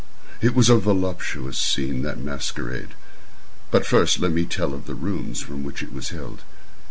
It was a voluptuous scene, that masquerade. But first let me tell of the rooms in which it was held.